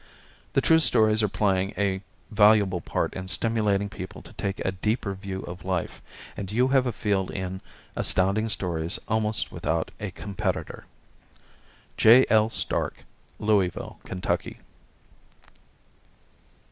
The true stories are playing a valuable part in stimulating people to take a deeper view of life, and you have a field in Astounding Stories almost without a competitor. J. L. Stark, 530 Sutcliffe Ave., Louisville, Kentucky.